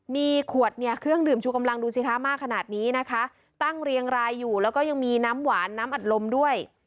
มีขวดเนี่ยเครื่องดื่มชูกำลังดูสิคะมากขนาดนี้นะคะตั้งเรียงรายอยู่แล้วก็ยังมีน้ำหวานน้ำอัดลมด้วย